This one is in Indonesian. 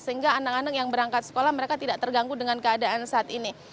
sehingga anak anak yang berangkat sekolah mereka tidak terganggu dengan keadaan saat ini